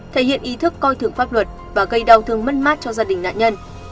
thể hiện ý thức coi thường pháp luật và gây đau thương mất mát cho gia đình nạn nhân